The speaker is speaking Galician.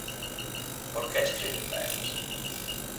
Por que escribe para elas?